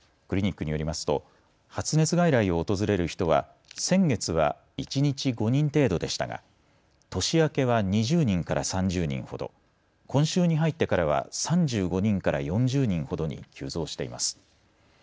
クリニックによりますと発熱外来を訪れる人は先月は一日５人程度でしたが年明けは２０人から３０人ほど、今週に入ってからは３５人から４０人ほどに急増しています。